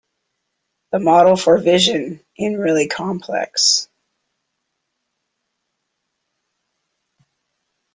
The model for vision in really complex.